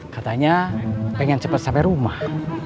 katanya pengen cepet sampe rumah